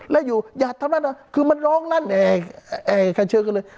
แล้วอยู่อย่าทำนั่นอ่ะคือมันร้องนั่นเอการเชิงกันเลย